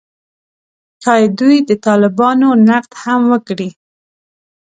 ښايي دوی د طالبانو نقد هم وکړي